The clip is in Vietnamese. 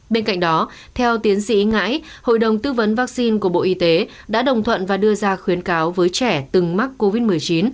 bên cạnh đó theo tiến sĩ ngãi hội đồng tư vấn vaccine của bộ y tế đã đồng thuận và đưa ra khuyến cáo với trẻ từng mắc covid một mươi chín